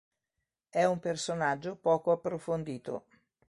È un personaggio poco approfondito.